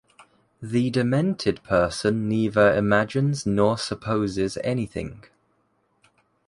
The demented person neither imagines nor supposes anything.